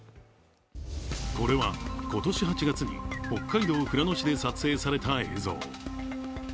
これは今年８月に、北海道富良野市で撮影された映像。